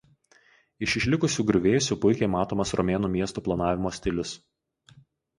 Iš išlikusių griuvėsių puikiai matomas romėnų miestų planavimo stilius.